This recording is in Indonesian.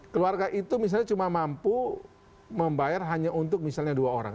keluarga itu misalnya cuma mampu membayar hanya untuk misalnya dua orang